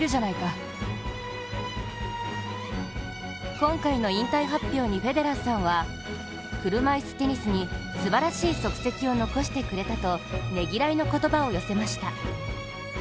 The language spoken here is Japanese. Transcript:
今回の引退発表に、フェデラーさんは車いすテニスにすばらしい足跡を残してくれたとねぎらいの言葉を寄せました。